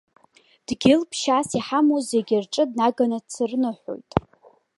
Дгьыл-ԥшьас иҳамоу зегьы рҿы днаганы дсырныҳәоит.